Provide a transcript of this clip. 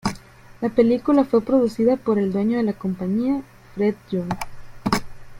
La película fue producida por el dueño de la compañía, Fred Young.